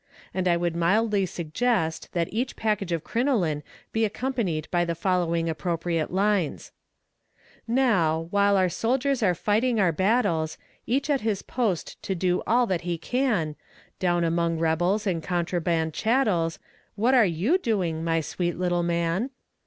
And I would mildly suggest that each package of crinoline be accompanied by the following appropriate lines: Now, while our soldiers are fighting our battles, Each at his post to do all that he can, Down among rebels and contraband chattels, What are you doing, my sweet little man?